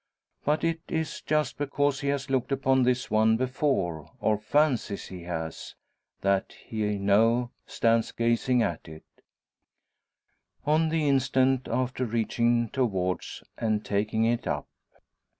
But it is just because he has looked upon this one before, or fancies he has, that he now stands gazing at it; on the instant after reaching towards, and taking it up.